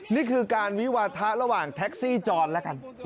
นี่คือการวิวาทะระหว่างแท็กซี่จอดแล้วกัน